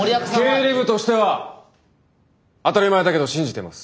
経理部としては当たり前だけど信じてます。